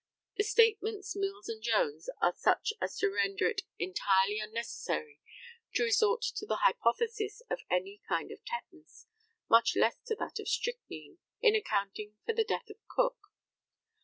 The statements Mills and Jones are such as to render it entirely unnecessary to resort to the hypothesis of any kind of tetanus, much less to that of strychnine, in accounting for the death of Cook.